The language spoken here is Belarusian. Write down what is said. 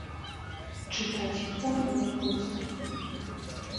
Чытаць яго там было б глупствам.